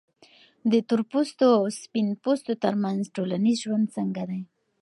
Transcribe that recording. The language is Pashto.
د تورپوستو او سپین پوستو ترمنځ ټولنیز ژوند څنګه دی؟